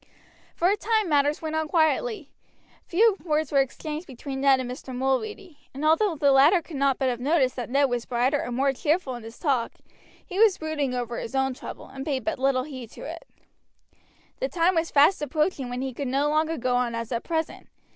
For a time matters went on quietly. Few words were exchanged between Ned and Mr. Mulready; and although the latter could not but have noticed that Ned was brighter and more cheerful in his talk, he was brooding over his own trouble, and paid but little heed to it. The time was fast approaching when he could no longer go on as at present.